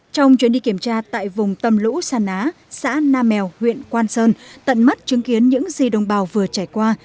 trong chuyến đi kiểm tra tại vùng tâm lũ san á xã nam mèo huyện quang sơn tận mắt chứng kiến những gì đồng bào vừa trải qua